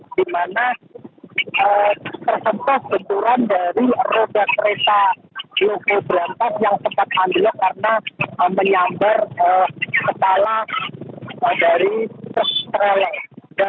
di mana terhentas benturan dari roda kereta lukur berantak yang sempat ambil karena menyambar kepala dari truk peralatan